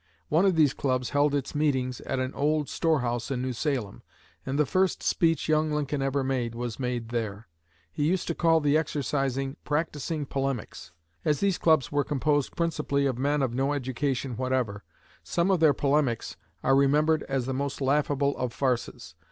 One of these clubs held its meetings at an old store house in New Salem, and the first speech young Lincoln ever made was made there. He used to call the exercising "practicing polemics." As these clubs were composed principally of men of no education whatever, some of their "polemics" are remembered as the most laughable of farces.